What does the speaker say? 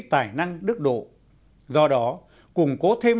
tài năng đức độ do đó củng cố thêm